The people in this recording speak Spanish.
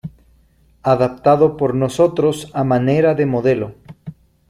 adaptado por nosotros a manera de modelo